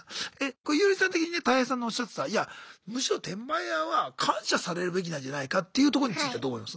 ユーリさん的にタイヘイさんのおっしゃってた「いやむしろ転売ヤーは感謝されるべきなんじゃないか」っていうとこについてはどう思います？